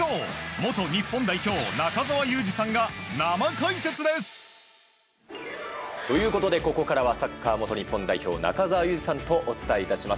元日本代表、中澤佑二さんが生解説です。ということでここからはサッカー元日本代表中澤佑二さんとお伝えいたします。